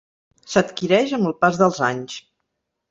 S'adquireix amb el pas dels anys.